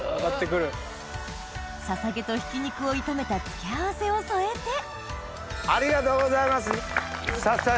ささげとひき肉を炒めた付け合わせを添えてありがとうございます。